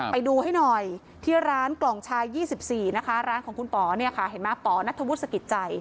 ไปดูให้หน่อยที่ร้านกล่องชาย๒๔นะคะร้านของคุณป๋อเนี่ยค่ะเห็นไหมป๋อนัทธวุฒิสกิจใจ